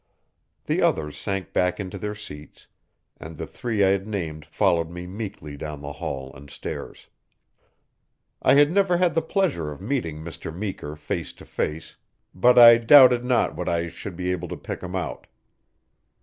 The others sank back into their seats, and the three I had named followed me meekly down the hall and stairs. I had never had the pleasure of meeting Mr. Meeker face to face, but I doubted not that I should be able to pick him out.